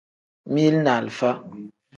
Mili ni alifa.